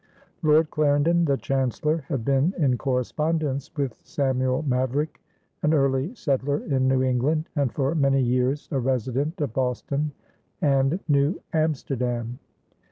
Lord Clarendon, the Chancellor, had been in correspondence with Samuel Maverick, an early settler in New England and for many years a resident of Boston and New Amsterdam.